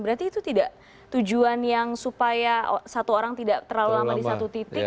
berarti itu tidak tujuan yang supaya satu orang tidak terlalu lama di satu titik